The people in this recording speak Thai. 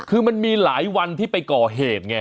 คือมันมีหลายวันที่ไปก่อเหตุไง